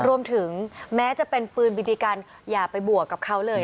รวมถึงแม้จะเป็นปืนบีบีกันอย่าไปบวกกับเขาเลย